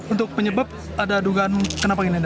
untuk penyebab ada dugaan kenapa ini